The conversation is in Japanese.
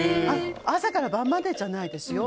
朝から晩までじゃないですよ。